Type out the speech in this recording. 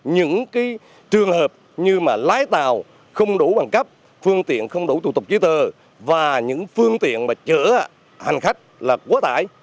những cái trường hợp như mà lái tàu không đủ bằng cấp phương tiện không đủ tụ tục trí tờ và những phương tiện mà chở hành khách là quá tải